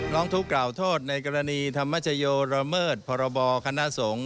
ร้องทุกข์กล่าวโทษในกรณีธรรมชโยระเมิดพรบคณะสงฆ์